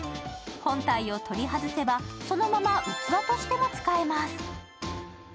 本体を取り外せばそのまま器としても使えます。